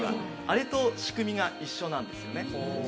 あれと仕組みが一緒なんですよね。